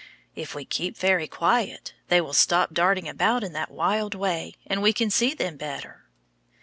If we keep very quiet, they will stop darting about in that wild way, and we can see them better.